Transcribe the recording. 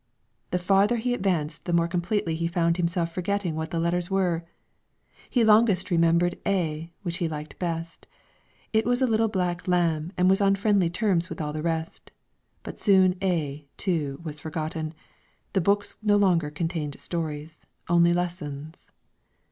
The farther he advanced the more completely he found himself forgetting what the letters were; he longest remembered a, which he liked best; it was a little black lamb and was on friendly terms with all the rest; but soon a, too, was forgotten, the books no longer contained stories, only lessons.